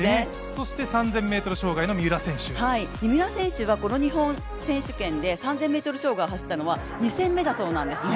そして３０００ｍ障害の三浦選手三浦選手は日本選手権で３０００ｍを走ったのは２戦目なんだそうですね。